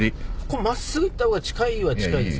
真っすぐ行った方が近いは近いですけど。